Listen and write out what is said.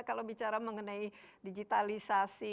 kalau bicara mengenai digitalisasi